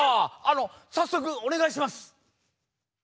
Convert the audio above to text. あのさっそくおねがいします。